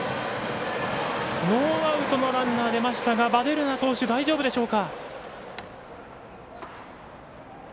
ノーアウトのランナー出ましたがヴァデルナ投手大丈夫でしょうか。